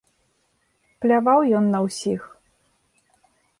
Пляваў ён на ўсіх.